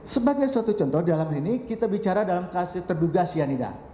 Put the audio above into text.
sebagai suatu contoh dalam ini kita bicara dalam kasus terduga cyanida